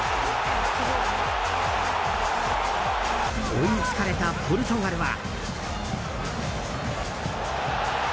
追いつかれたポルトガルは。